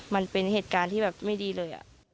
มันเป็นเหตุการณ์ที่แบบไม่ดีเลย